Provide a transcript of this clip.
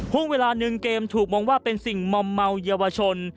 ห่วงเวลาหนึ่งเกมถูกมองว่าเป็นสิ่งมอมเมาเยาวชน